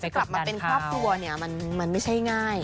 กลับมาเป็นครอบครัวเนี่ยมันไม่ใช่ง่าย